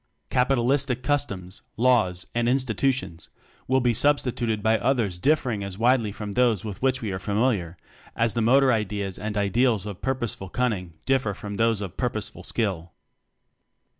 Capi talistic customs, laws, and institutions will be substituted by others differing as widely from those with which we are familiar as the motor ideas and ideals of purposeful cunning differ from those of purposeful skill.